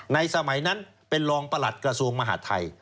สมัยนั้นเป็นรองประหลัดกระทรวงมหาดไทย